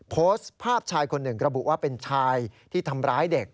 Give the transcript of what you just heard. โพสต์ภาพชายคนหนึ่งระบุว่าเป็นชายที่ทำร้ายเด็ก